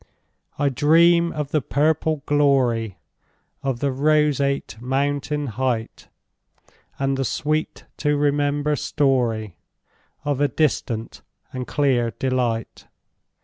I dream of the purple gloryOf the roseate mountain heightAnd the sweet to remember storyOf a distant and clear delight.